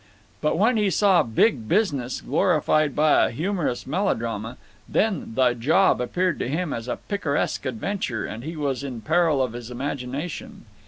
But when he saw Big Business glorified by a humorous melodrama, then The Job appeared to him as picaresque adventure, and he was in peril of his imagination.